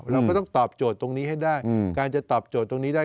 เราก็ต้องตอบโจทย์ตรงนี้ให้ได้การจะตอบโจทย์ตรงนี้ได้